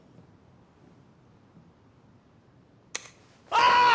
ああ！！